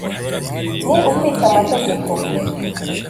ni ukwica amategeko